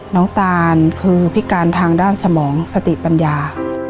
ตานคือพิการทางด้านสมองสติปัญญา